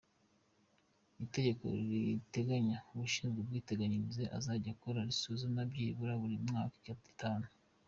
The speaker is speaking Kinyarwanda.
Itegeko riteganya ko ushinzwe iby’ubwiteganyiriza azajya akora isuzuma byibura buri myaka itanu.